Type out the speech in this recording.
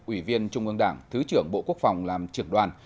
ủy viên trung ương đảng thứ trưởng bộ quốc phòng làm trưởng đoàn